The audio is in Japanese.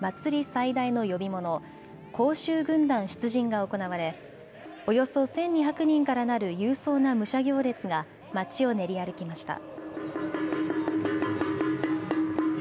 最大の呼び物、甲州軍団出陣が行われおよそ１２００人からなる勇壮な武者行列がまちを練り歩きました。